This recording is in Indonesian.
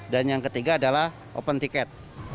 dan yang ketiga adalah open tiket